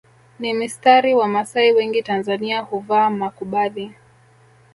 ni mistari Wamasai wengi Tanzania huvaa makubadhi